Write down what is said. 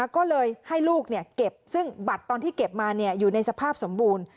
ก็เลยให้ลูกเก็บซึ่งบัตรตอนที่เก็บมาอยู่ในสภาพสมบูรณ์